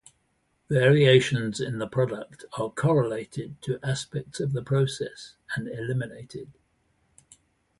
Variations in the product are correlated to aspects of the process and eliminated.